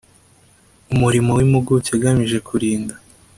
umurimo w impuguke agamije kurinda